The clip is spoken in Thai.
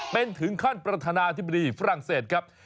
เป็นถึงขั้นประธานาธิบดีฝรั่งเศสครับ